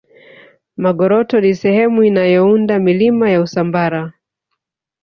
magoroto ni sehemu inayounda milima ya usambara